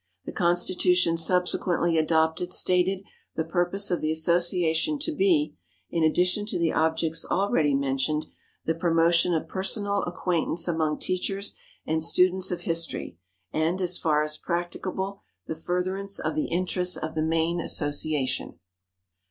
The constitution subsequently adopted stated the purpose of the association to be, in addition to the objects already mentioned, the promotion of personal acquaintance among teachers and students of history, and, as far as practicable, the furtherance of the interests of the main association.